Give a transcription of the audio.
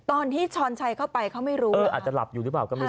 ตอนที่ชอนชัยเข้าไปเขาไม่รู้